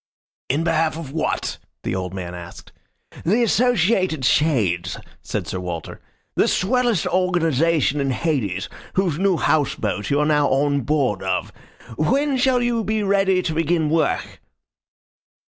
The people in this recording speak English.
"In behalf of what?" the old man asked. "The Associated Shades," said Sir Walter. "The swellest organization in Hades, whose new house boat you are now on board of. When shall you be ready to begin work?"